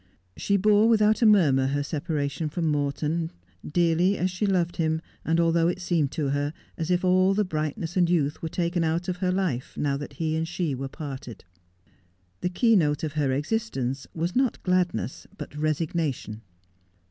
She bore without a murmur her separation from Morton, dearly as she loved him, and although it seemed to her as if all the brightness and youth were taken out of her life now that he and she were parted. The key note of her existence was not gladness, but resignation.